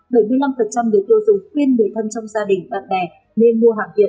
bảy mươi năm người tiêu dùng khuyên người thân trong gia đình bạn bè nên mua hàng việt